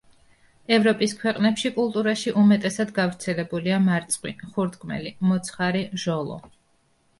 ევროპის ქვეყნებში კულტურაში უმეტესად გავრცელებულია მარწყვი, ხურტკმელი, მოცხარი, ჟოლო.